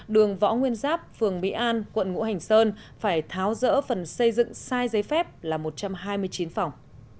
đường võ nguyên giáp phường mỹ an quận ngũ hành sơn phải tháo rỡ phần xây dựng sai giấy phép là một trăm hai mươi chín phòng